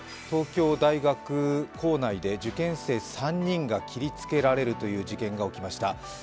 東京大学構内で受験生３人が切りつけられるという事件が起きました。